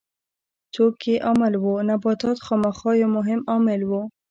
څوک یې عامل وو؟ نباتات خامخا یو مهم عامل و.